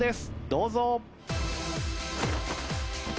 どうぞ。